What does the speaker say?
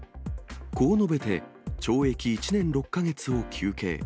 こう述べて、懲役１年６か月を求刑。